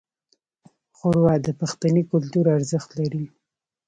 ښوروا د پښتني کلتور ارزښت لري.